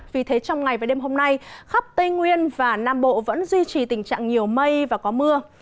vì thế trong ngày và đêm hôm nay khắp tây nguyên và nam bộ vẫn duy trì tình trạng nhiều mây và có mưa